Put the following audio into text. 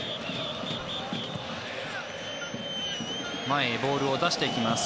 前へボールを出していきます。